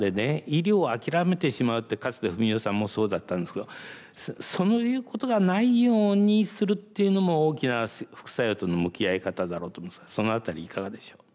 医療を諦めてしまうってかつて史世さんもそうだったんですけどそういうことがないようにするっていうのも大きな副作用との向き合い方だろうと思うんですがその辺りいかがでしょう？